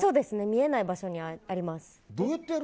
見えない場所にあります。